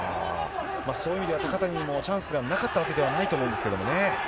そういう意味では、高谷にもチャンスがなかったわけではないと思うんですけどね。